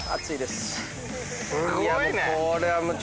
すごいね！